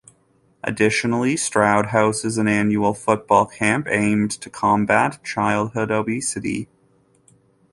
Additionally, Stroud hosts an annual football camp aimed to combat childhood obesity.